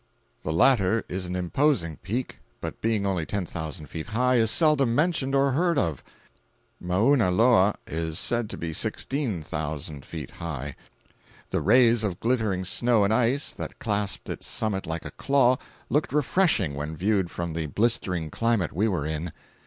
The latter is an imposing peak, but being only ten thousand feet high is seldom mentioned or heard of. Mauna Loa is said to be sixteen thousand feet high. The rays of glittering snow and ice, that clasped its summit like a claw, looked refreshing when viewed from the blistering climate we were in.